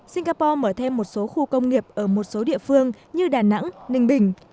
singapore mở thêm một số khu công nghiệp ở một số địa phương như đà nẵng ninh bình